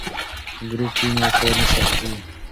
که ګروپ وي نو کار نه سختیږي.